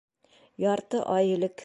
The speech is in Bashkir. Ярты ай элек.